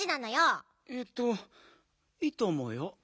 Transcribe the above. えっといいとおもうよ。